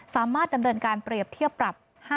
สามารถดำเนินการเปรียบเทียบปรับ